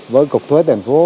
với cục thuế thành phố